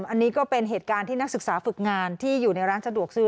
อันนี้ก็เป็นเหตุการณ์ที่นักศึกษาฝึกงานที่อยู่ในร้านสะดวกซื้อ